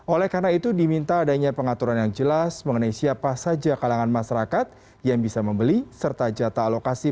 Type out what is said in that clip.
oleh karena itu diminta adanya pengaturan yang jelas mengenai siapa saja kalangan masyarakat yang bisa membeli serta jata alokasi